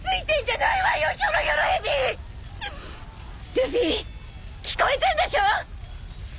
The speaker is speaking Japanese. ルフィ聞こえてんでしょう！？